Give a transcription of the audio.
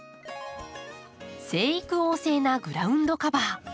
生育旺盛なグラウンドカバー。